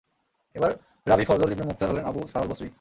এর রাবী ফাজল ইবন মুখতার হলেন আবু সাহল বসরী।